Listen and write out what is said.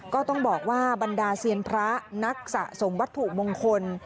ก็ต้องบอกว่าบรรดาเซียนพระนักสะสมวัตถุมงคล